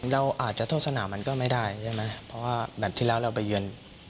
เราอาจจะโทษสนามมันก็ไม่ได้ใช่ไหมเพราะว่าแมทที่แล้วเราไปเยือน